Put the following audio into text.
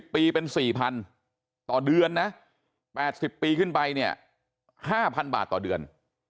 ปีเป็น๔๐๐๐ต่อเดือนนะ๘๐ปีขึ้นไปเนี่ย๕๐๐บาทต่อเดือน